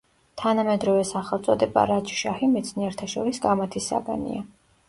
თანამედროვე სახელწოდება „რაჯშაჰი“ მეცნიერთა შორის კამათის საგანია.